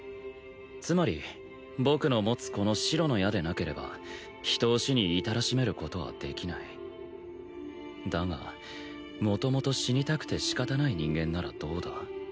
つまり僕の持つこの白の矢でなければ人を死に至らしめることはできないだが元々死にたくて仕方ない人間ならどうだ？